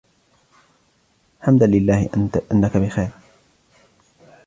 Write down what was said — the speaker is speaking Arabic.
حمدًا لله أنّك بخير.